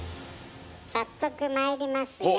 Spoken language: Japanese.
早速まいりますよ。